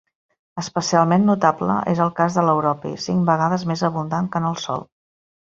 Especialment notable és el cas de l'europi, cinc vegades més abundant que en el Sol.